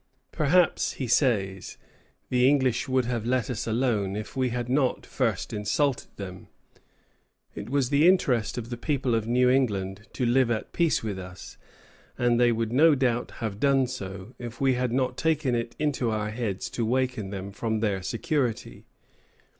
"Perhaps," he says, "the English would have let us alone if we had not first insulted them. It was the interest of the people of New England to live at peace with us, and they would no doubt have done so, if we had not taken it into our heads to waken them from their security.